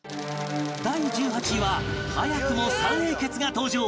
第１８位は早くも三英傑が登場！